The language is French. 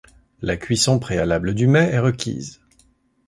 La cuisson préalable du mets est requise.